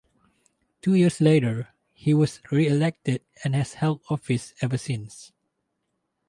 Two years later, he was reelected and has held office ever since.